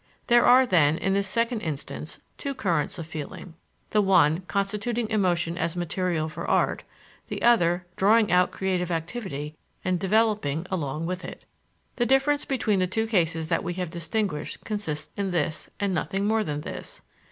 There are, then, in this second instance, two currents of feeling the one, constituting emotion as material for art, the other, drawing out creative activity and developing along with it. The difference between the two cases that we have distinguished consists in this and nothing more than this.